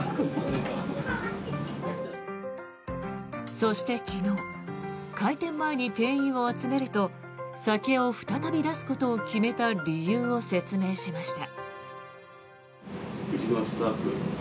そして昨日開店前に店員を集めると酒を再び出すことを決めた理由を説明しました。